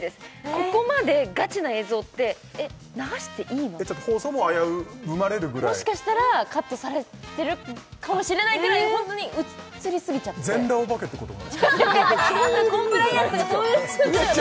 ここまでガチな映像ってえっ流していいのって放送も危ぶまれるぐらいもしかしたらカットされてるかもしれないぐらいホントに映りすぎちゃって全裸お化けってことかなそういうことではないですうわ